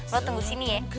lo tunggu sini ya